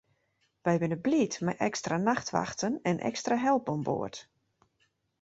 Wy binne bliid mei ekstra nachtwachten en ekstra help oan board.